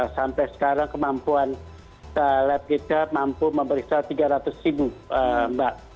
sampai sekarang kemampuan lab kita mampu memeriksa tiga ratus ribu mbak